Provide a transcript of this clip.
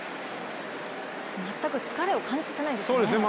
全く疲れを感じさせないですよね。